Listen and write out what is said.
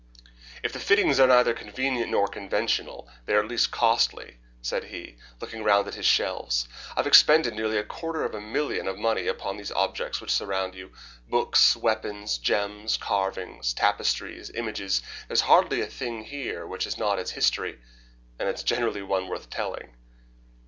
"If the fittings are neither convenient nor conventional, they are at least costly," said he, looking round at his shelves. "I have expended nearly a quarter of a million of money upon these objects which surround you. Books, weapons, gems, carvings, tapestries, images there is hardly a thing here which has not its history, and it is generally one worth telling."